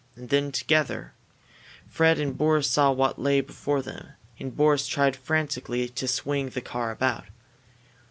And then, together, Fred and Boris saw what lay before them, and Boris tried frantically to swing the car out.